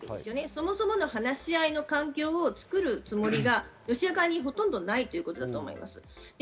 そもそもの話し合いの環境を作るつもりがロシア側にほとんどないということだと思います。